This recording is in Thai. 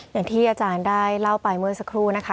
อย่างที่อาจารย์ได้เล่าไปเมื่อสักครู่นะคะ